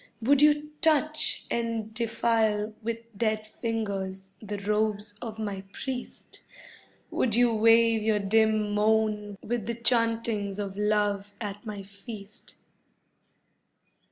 Would you touch and defile with dead fingers the robes of my priest? Would you weave your dim moan with the chantings of love at my feast?